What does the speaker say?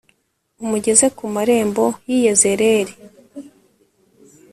umugeze ku marembo yi Yezereli